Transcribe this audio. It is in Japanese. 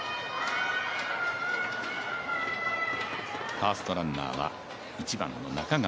ファーストランナーは１番の中川。